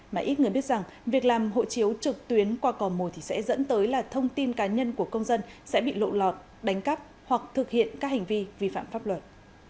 mà ít người biết rằng việc làm hộ chiếu trực tuyến qua cò mồi thì sẽ dẫn tới là thông tin cá nhân của công dân sẽ bị lộ lọt đánh cắp hoặc thực hiện các hành vi vi phạm pháp luật